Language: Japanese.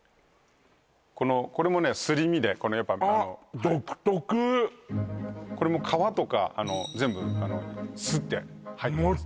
これもねすり身であっこれも皮とか全部すって入ってます